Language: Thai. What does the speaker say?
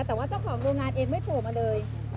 แต่ว่าเจ้าของโรงงานเองไม่โผล่มาเลย